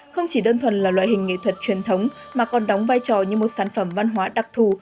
không chỉ đơn thuần là loại hình nghệ thuật truyền thống mà còn đóng vai trò như một sản phẩm văn hóa đặc thù